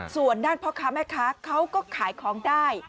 ส่วนด้านพ่อค้าแม่ค้าเขาก็ขายของได้